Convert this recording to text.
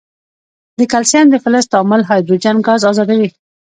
د کلسیم د فلز تعامل هایدروجن ګاز آزادوي.